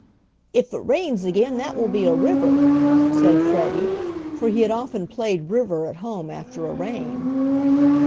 "If it rains again that will be a river," said Freddie, for he had often played river at home after a rain.